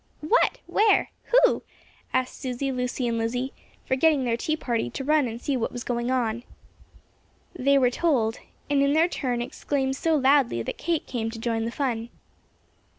"What? where? who?" asked Susy, Lucy and Lizzie, forgetting their tea party to run and see what was going on. They were told, and in their turn exclaimed so loudly that Kate came to join in the fun.